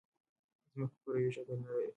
ځمکه کروی شکل نه لري.